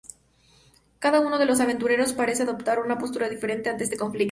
Cada uno de los aventureros parece adoptar una postura diferente ante este conflicto.